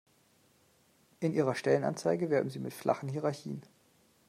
In Ihrer Stellenanzeige werben Sie mit flachen Hierarchien.